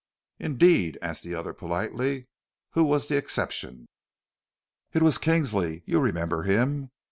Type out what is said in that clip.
"Indeed," asked the other politely, "who was the exception?" "It was Kingsley. You remember him?